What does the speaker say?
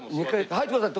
入ってください。